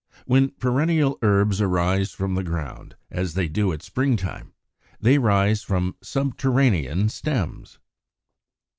When perennial herbs arise from the ground, as they do at spring time, they rise from subterranean stems.